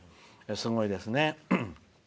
すごいですね。